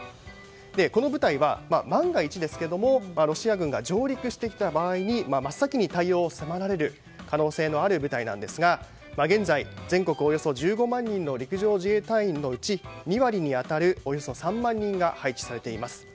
この部隊は万が一ですがロシア軍が上陸してきた場合に真っ先に対応を迫られる可能性のある部隊なんですが現在、全国およそ１５万人の陸上自衛隊員のうち２割に当たるおよそ３万人が配置されています。